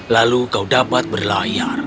lalu kau dapat berlayar